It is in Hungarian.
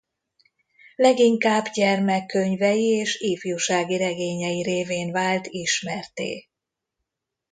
Leginkább gyermekkönyvei és ifjúsági regényei révén vált ismertté.